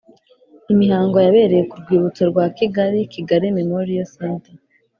Imihango yabereye ku rwibutso rwa Kigali Kigali Memorial Centre